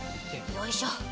よいしょ。